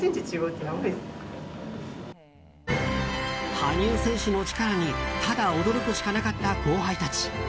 羽生選手の力にただ驚くしかなかった後輩たち。